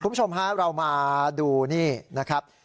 คุณผู้ชมฮะเรามาดูนี่นะครับ